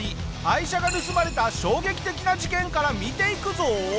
愛車が盗まれた衝撃的な事件から見ていくぞ！